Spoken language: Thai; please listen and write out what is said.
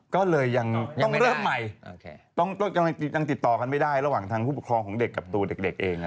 ก็เลยยังต้องเริ่มใหม่ต้องติดต่อกันไม่ได้เป็นประตูตัวเอง